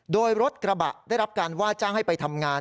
โดยรถกระบะได้รับการว่าจ้างให้ไปทำงาน